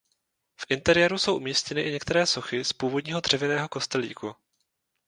V interiéru jsou umístěny i některé sochy z původního dřevěného kostelíku.